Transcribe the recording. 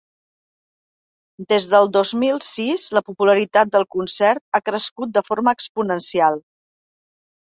Des del dos mil sis la popularitat del concert ha crescut de forma exponencial.